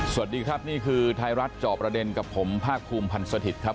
สวัสดีครับนี่คือไทยรัฐจอบประเด็นกับผมภาคภูมิพันธ์สถิตย์ครับ